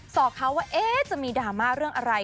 อกเขาว่าจะมีดราม่าเรื่องอะไร